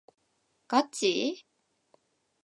ガチ？